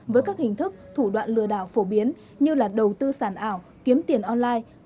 với các hình thức thủ đoạn lừa đảo phổ biến như là đầu tư sản ảo kiếm tiền online